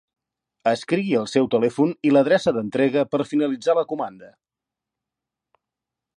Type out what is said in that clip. Escrigui el seu telèfon i l'adreça d'entrega per finalitzar la comanda.